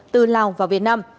từ lào vào việt nam